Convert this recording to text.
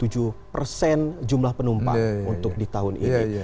hingga dua puluh tujuh persen jumlah penumpang untuk di tahun ini